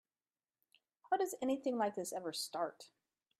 How does anything like this ever start?